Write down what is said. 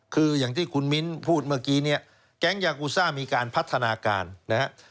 คืออย่างที่คุณมิ้นพูดเมื่อกี้เนี่ยแก๊งยากูซ่ามีการพัฒนาการนะครับ